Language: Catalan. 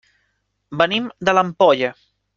Venim de l'Ampolla.